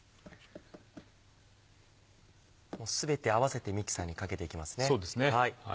全て合わせてミキサーにかけていきますね。